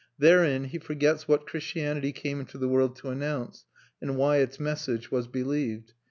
Therein he forgets what Christianity came into the world to announce and why its message was believed.